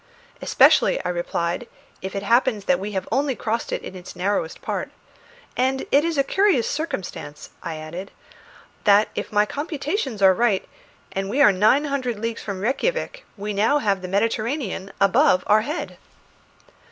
"Especially," I replied, "if it happens that we have only crossed it in its narrowest part. And it is a curious circumstance," I added, "that if my computations are right, and we are nine hundred leagues from Rejkiavik, we have now the Mediterranean above our head."